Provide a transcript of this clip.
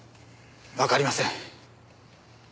わかりません。